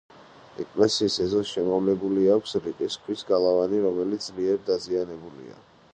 ეკლესიის ეზოს შემოვლებული აქვს რიყის ქვის გალავანი, რომელიც ძლიერ დაზიანებულია.